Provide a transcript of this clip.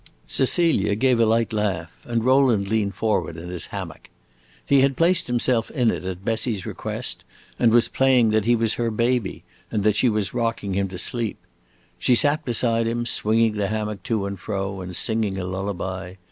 Cecilia gave a light laugh, and Rowland leaned forward in his hammock. He had placed himself in it at Bessie's request, and was playing that he was her baby and that she was rocking him to sleep. She sat beside him, swinging the hammock to and fro, and singing a lullaby.